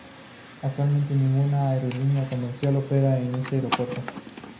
Actualmente, ninguna aerolínea comercial opera en este aeropuerto.